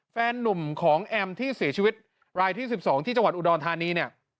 แฟนนุ่มของแอมที่เสียชีวิตรายที่๑๒ที่จังหวัดอุดรธานีเนี่ย